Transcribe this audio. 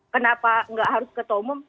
kenapa nggak harus ketua umum